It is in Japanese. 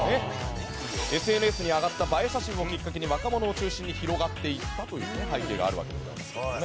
ＳＮＳに上がった映え写真をきっかけに若者を中心に広がっていったという背景があるわけでございます。